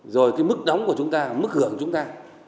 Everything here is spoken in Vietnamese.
rồi cái mức đóng của chúng ta mức hưởng chúng ta